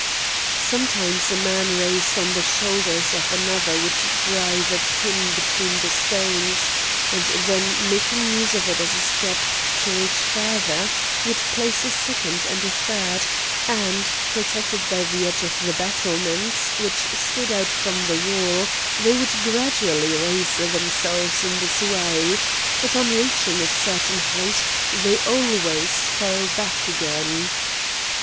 Sometimes a man raised on the shoulders of another would drive a pin between the stones, and then making use of it as a step to reach further, would place a second and a third; and, protected by the edge of the battlements, which stood out from the wall, they would gradually raise themselves in this way; but on reaching a certain height they always fell back again.